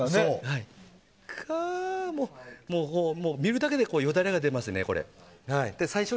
見るだけでよだれが出ますね、これ。